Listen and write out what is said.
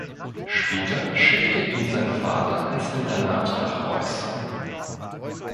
Später schickte ihn sein Vater ins Internat nach Reus.